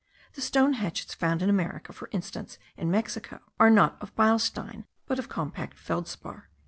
The stone hatchets found in America, for instance in Mexico, are not of beilstein, but of compact feldspar.)